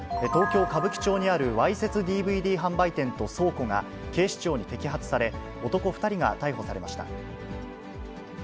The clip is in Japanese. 東京・歌舞伎町にあるわいせつＤＶＤ販売店と倉庫が警視庁に摘発され、男２人が逮捕されました。